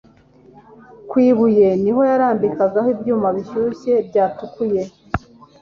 ku ibuye niho yarambikagaho ibyuma bishyushye byatukuye